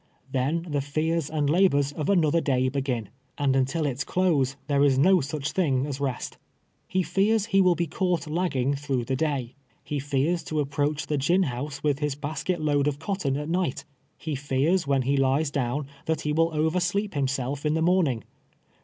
Then the fears and labors of another day begin ; and until its close there is no such thing as rest. He fears he will be caught lagging through the day ; he fears to approach the gin house with his basket load of cotton at night ; he fears, when he lies down, that he will oversleep himself in the morning.